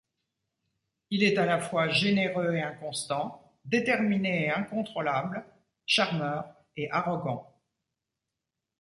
Il est à la fois généreux et inconstant, déterminé et incontrôlable, charmeur et arrogant.